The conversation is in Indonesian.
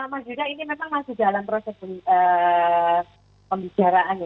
mas yuda ini memang masih dalam proses